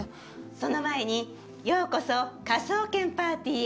その前に、ようこそ、科捜研パーティーへ。